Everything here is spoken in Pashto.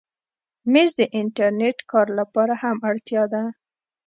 مېز د انټرنېټ کار لپاره هم اړتیا ده.